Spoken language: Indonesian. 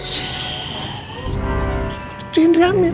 si indri hamil